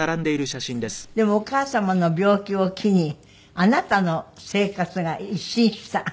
でもお母様の病気を機にあなたの生活が一新した。